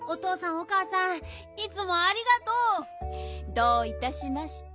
どういたしまして。